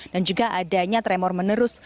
dan juga adanya tremor menerus